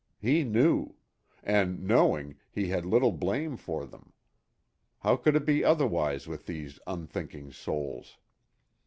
He knew. And knowing, he had little blame for them. How could it be otherwise with these unthinking souls?